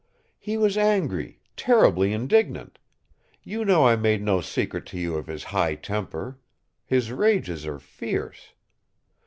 "He was angry, terribly indignant. You know I made no secret to you of his high temper. His rages are fierce.